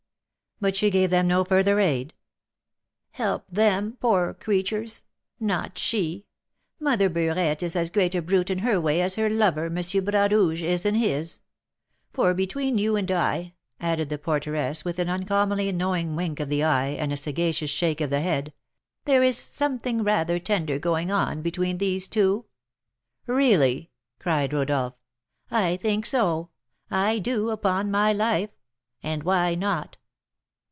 "But she gave them no further aid?" "Help them, poor creatures! Not she. Mother Burette is as great a brute in her way as her lover, M. Bras Rouge, is in his; for between you and I," added the porteress, with an uncommonly knowing wink of the eye and sagacious shake of the head, "there is something rather tender going on between these two." "Really!" cried Rodolph. "I think so, I do, upon my life. And why not?